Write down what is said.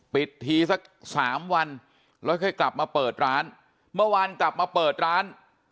ปิดทีสักสามวันแล้วค่อยกลับมาเปิดร้านเมื่อวานกลับมาเปิดร้าน